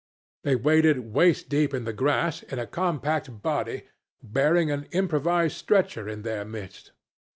They waded waist deep in the grass, in a compact body, bearing an improvised stretcher in their midst.